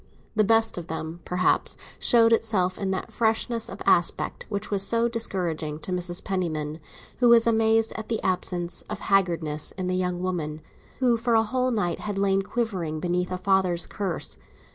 The best of them perhaps showed itself in that freshness of aspect which was so discouraging to Mrs. Penniman, who was amazed at the absence of haggardness in a young woman who for a whole night had lain quivering beneath a father's curse.